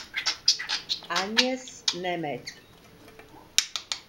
Ágnes Németh